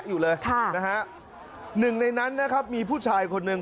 อยู่เลยค่ะนะฮะหนึ่งในนั้นนะครับมีผู้ชายคนหนึ่ง